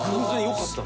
よかった。